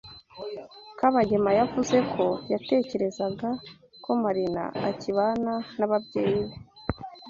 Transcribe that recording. Kabagema yavuze ko yatekerezaga ko Marina akibana n'ababyeyi be.